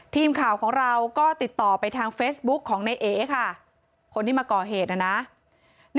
ทีมข่าวของเราก็ติดต่อไปทางเฟซบุ๊กของนายเอค่ะคนที่มาก่อเหตุนะนะ